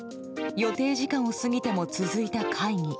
予定時間を過ぎても続いた会議。